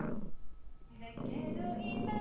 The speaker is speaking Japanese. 「だけど今」